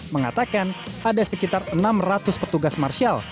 mengatakan ada sekitar enam ratus petugas marshal